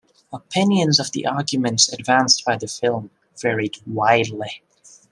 Opinions of the arguments advanced by the film varied widely.